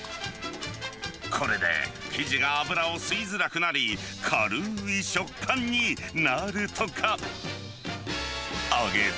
これで生地が油を吸いづらくなり、軽い食感になるとか。